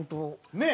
ねえ？